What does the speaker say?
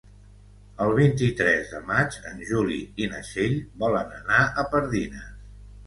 El vint-i-tres de maig en Juli i na Txell volen anar a Pardines.